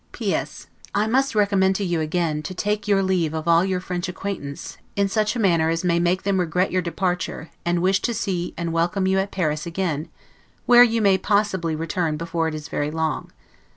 P. S. I must recommend to you again, to take your leave of all your French acquaintance, in such a manner as may make them regret your departure, and wish to see and welcome you at Paris again, where you may possibly return before it is very long.